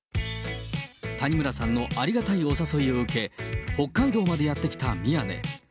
谷村さんのありがたいお誘いを受け、北海道までやって来た宮根。